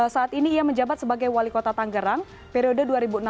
saat ini ia menjabat sebagai wali kota tanggerang periode dua ribu enam belas dua ribu dua